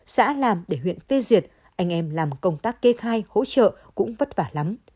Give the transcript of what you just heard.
xã làm để huyện phê duyệt anh em làm công tác kê khai hỗ trợ cũng vất vả lắm